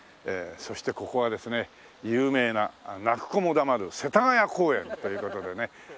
そしてここはですね有名な泣く子も黙る世田谷公園という事でね